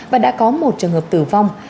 và đã có một trường hợp tử vong